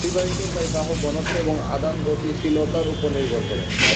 পরিবাহিতা তাই বাহক ঘনত্ব এবং আধান গতিশীলতার উপর নির্ভর করে।